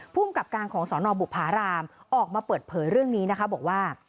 ภูมิกับการของสนบุภารามออกมาเปิดเผยเรื่องนี้นะคะบอกว่า